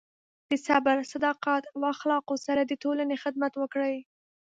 د صبر، صداقت، او اخلاقو سره د ټولنې خدمت وکړئ.